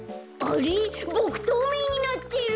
ボクとうめいになってる！？